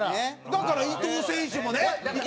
だから伊藤選手もね。